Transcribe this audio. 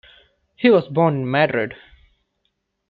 He was born in Madrid.